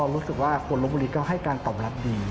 รู้สึกว่าคนลบบุรีก็ให้การตอบรับดี